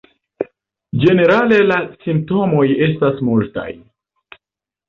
Ĝenerale la simptomoj estas multaj.